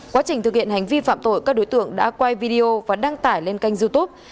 quá trình thực hiện hành vi phạm tội các đối tượng đã quay video và đăng tải lên kênh youtube